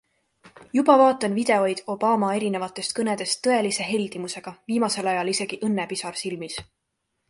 Juba vaatan videoid Obama erinevatest kõnedest tõelise heldimusega, viimasel ajal isegi õnnepisar silmis.